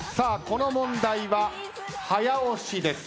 この問題は早押しです。